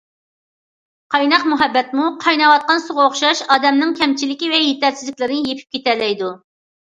قايناق مۇھەببەتمۇ قايناۋاتقان سۇغا ئوخشاش ئادەمنىڭ كەمچىلىكى ۋە يېتەرسىزلىكلىرىنى يېپىپ كېتەلەيدۇ.